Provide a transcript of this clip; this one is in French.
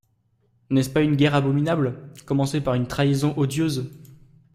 N’est-ce pas une guerre abominable… commencée par une trahison odieuse ?